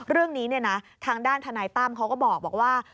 เรื่องนี้ทางด้านทนายตั้มเขาก็บอกว่า